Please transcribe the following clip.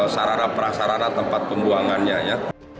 sarana prasarana tempat pembuangannya ya